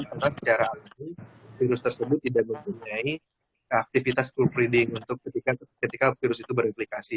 karena secara alami virus tersebut tidak mempunyai aktivitas tool breeding untuk ketika virus itu bereplikasi